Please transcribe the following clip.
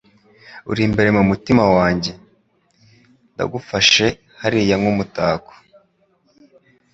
Urimbere mumutima wanjye. Ndagufashe hariya nk'umutako. ”